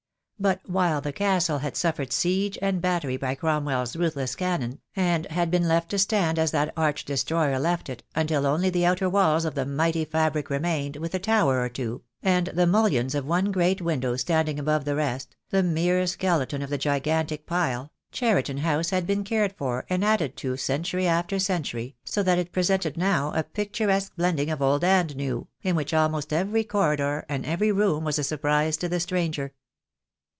But while the Castle had suffered siege and battery by CromwelPs ruth less cannon, and had been left to stand as that arch THE DAY WILL COME. 7 destroyer left it, until only the outer walls of the mighty fabric remained, with a tower or two, and the mullions of one great window standing up above the rest, the mere skeleton of the gigantic pile, Cheriton House had been cared for and added to century after century, so that it presented now a picturesque blending of old and new, in winch almost every corridor and every room was a surprise to the stranger.